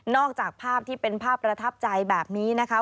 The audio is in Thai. จากภาพที่เป็นภาพประทับใจแบบนี้นะคะ